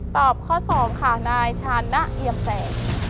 ตอบข้อ๒ค่ะนายชานะเอียมแสง